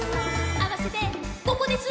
「あわせて５こです」